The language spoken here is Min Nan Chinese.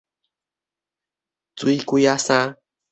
水鬼仔衫